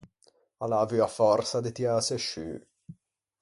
A l’à avuo a fòrsa de tiâse sciù.